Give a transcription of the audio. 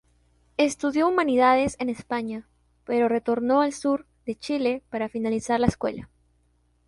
Estudió humanidades en España, pero retornó al sur de Chile para finalizar la escuela.